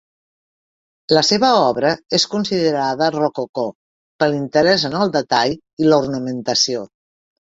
La seva obra és considerada rococó per l'interès en el detall i l'ornamentació.